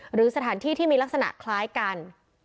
หรือสถานที่ที่มีลักษณะคล้ายกัน